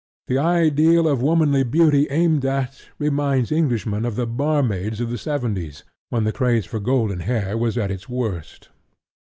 The ideal of womanly beauty aimed at reminds Englishmen of the barmaids of the seventies, when the craze for golden hair was at its worst.